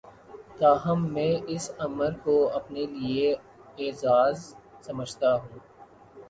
تاہم میں اس امر کو اپنے لیے اعزا ز سمجھتا ہوں